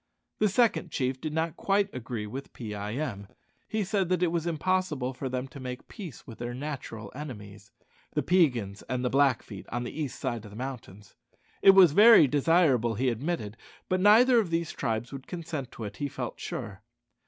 The second chief did not quite agree with Pee eye em. He said that it was impossible for them to make peace with their natural enemies, the Peigans and the Blackfeet on the east side of the mountains. It was very desirable, he admitted; but neither of these tribes would consent to it, he felt sure.